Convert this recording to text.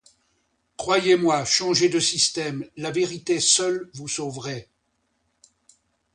Croyez-moi, changez de système, la vérité seule vous sauverait.